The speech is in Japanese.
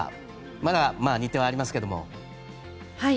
まだ日程はありますが。